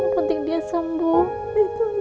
penting dia sembuh